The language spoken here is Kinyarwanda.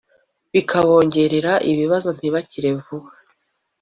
bikabongerera ibibazo ntibakire vuba